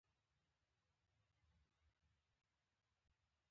که په سرکټ کې د شارټي پېښه رامنځته شي اتومات فیوز ګل کېږي.